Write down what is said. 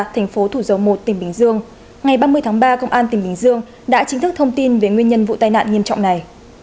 thành phố thủ dầu một tỉnh bình dương ngày ba mươi tháng ba công an tỉnh bình dương đã chính thức thông tin về nguyên nhân vụ tai nạn nghiêm trọng này